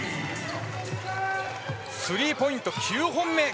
スリーポイント、９本目。